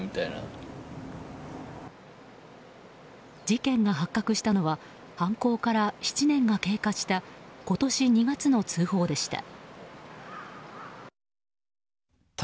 事件が発覚したのは犯行から７年が経過した今年２月の通報でした。